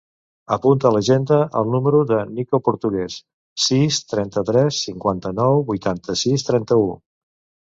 Apunta a l'agenda el número del Niko Portugues: sis, trenta-tres, cinquanta-nou, vuitanta-sis, trenta-u.